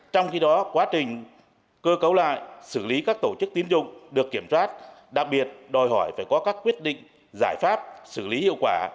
trong khi đó quá trình cơ cấu lại xử lý các tổ chức tín dụng được kiểm soát đặc biệt đòi hỏi phải có các quyết định giải pháp xử lý hiệu quả